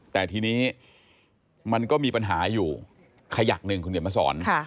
แต่ทีนี้มันก็มีปัญหาอยู่ขยักหนึ่งคุณเขียนมาสอน